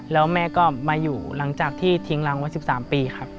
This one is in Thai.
แล้วแม่ก็มาอยู่หลังจากที่ทิ้งรังไว้๑๓ปีครับ